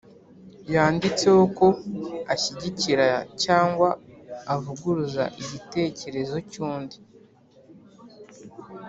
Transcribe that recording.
yanditseho ko ashyigikira cyangwa avuguruza igitekerezo cy’undi